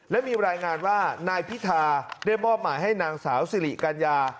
และมีรายงานว่านายพิธาได้มอบหมายให้นางสาวสิริกัญญา